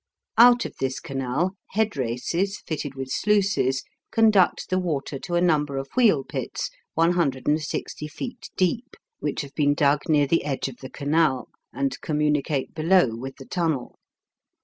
Out of this canal, head races fitted with sluices conduct the water to a number of wheel pits 160 feet deep, which have been dug near the edge of the canal, and communicate below with the tunnel.